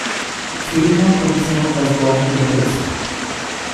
Cirino Pomicino was born in Naples.